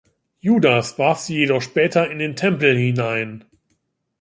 Judas warf sie jedoch später in den Tempel hinein.